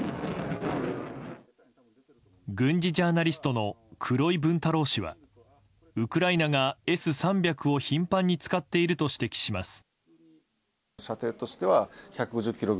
軍事ジャーナリストの黒井文太郎氏はウクライナがＳ３００を頻繁に使っていると指摘します。